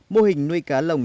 mô hình nuôi cá lồng